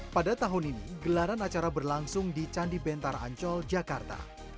pada tahun ini gelaran acara berlangsung di candi bentar ancol jakarta